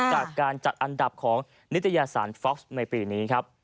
จากการจัดอันดับของนิตยสารฟ็อกซ์ในปีนี้ครับ